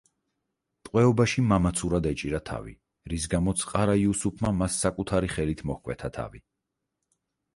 ტყვეობაში მამაცურად ეჭირა თავი, რის გამოც ყარა-იუსუფმა მას საკუთარი ხელით მოჰკვეთა თავი.